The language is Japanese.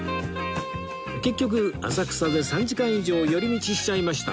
結局浅草で３時間以上寄り道しちゃいました